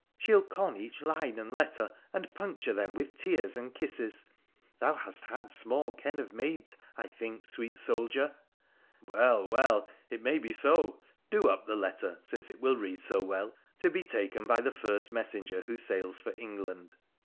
She'll con each line and letter, and puncture them with tears and kisses — thou hast had small ken of maids, I think, sweet soldier !'' Well ! well ! It may be so. Do up the letter, since it will read so well, and put it in the way to be taken by the first messenger who sails for England.